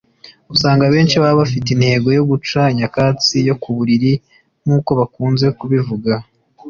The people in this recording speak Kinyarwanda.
usanga abenshi baba bafite intego yo guca nyakatsi yo ku buriri nk’uko bakunze kubivuga